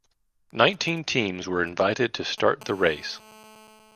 Nineteen teams were invited to start the race.